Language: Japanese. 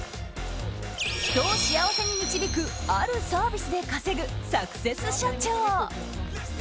人を幸せに導くあるサービスで稼ぐサクセス社長。